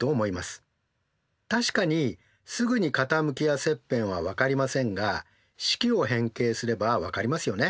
確かにすぐに傾きや切片は分かりませんが式を変形すれば分かりますよね。